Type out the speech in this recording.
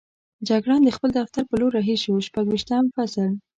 جګړن د خپل دفتر په لور رهي شو، شپږویشتم فصل.